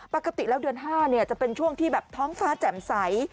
ปกติแล้วเดือน๕จะเป็นช่วงที่แบบท้องฟ้าแจ่มใส